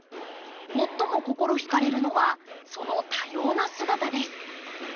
最も心ひかれるのはその多様な姿です。